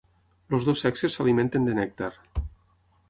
Els dos sexes s'alimenten de nèctar.